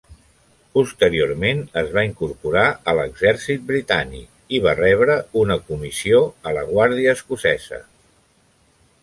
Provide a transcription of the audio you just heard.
Posteriorment es va incorporar a l'exèrcit britànic i va rebre una comissió a la guàrdia escocesa.